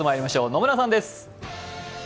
野村さんです。